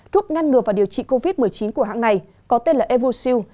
thuốc ngăn ngừa và điều trị covid một mươi chín của hãng này có tên là evusiel